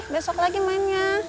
besok lagi mainnya